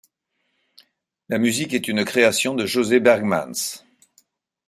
La musique est une création de José Berghmans.